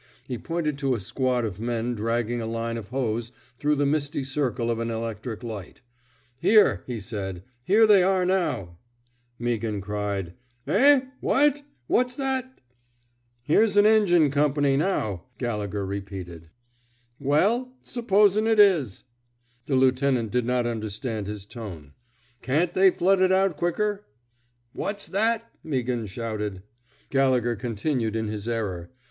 He pointed to a squad of men dragging a line of hose through the misty circle of an electric light. Here," he said. Here they are, now." Meaghan cried: '^ Ehf Whatf What's thatf "Here's an engine company now," Galle gher repeated. 37 i THE SMOKE EATERS '' Weill Supposing it isf '' The lieutenant did not understand his tone. Can't they flood it out quicker! '^What's thatf " Meaghan shouted. Gallegher continued in his error.